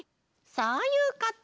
そういうこと！